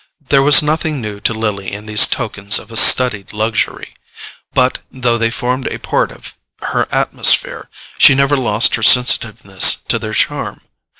There was nothing new to Lily in these tokens of a studied luxury; but, though they formed a part of her atmosphere, she never lost her sensitiveness to their charm.